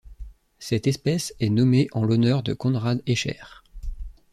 Cette espèce est nommée en l'honneur de Konrad Escher.